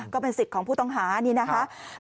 ก็เป็นสิทธิ์ของผู้ต้องหานี่นะคะ